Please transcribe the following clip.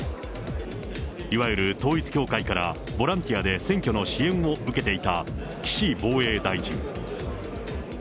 いわゆる統一教会から、ボランティアで選挙の支援を受けていた、岸防衛大臣。